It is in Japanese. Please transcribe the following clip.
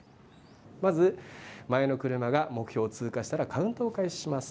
まず前の車が目標を通過したらカウントを開始します。